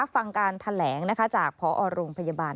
ฟังการแถลงจากพอโรงพยาบาล